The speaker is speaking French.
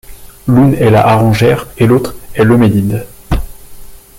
L’une est la harengère, et l’autre est l’euménide.